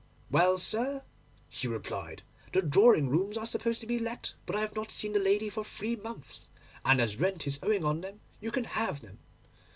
"Well, sir," she replied, "the drawing rooms are supposed to be let; but I have not seen the lady for three months, and as rent is owing on them, you can have them."